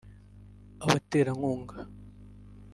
abaterankunga